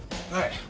はい。